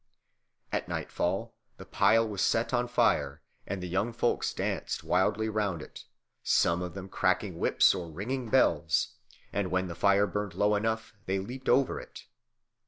At nightfall the pile was set on fire, and the young folks danced wildly round it, some of them cracking whips or ringing bells; and when the fire burned low enough, they leaped over it.